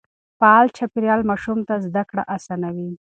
فعال چاپېريال ماشوم ته زده کړه آسانوي.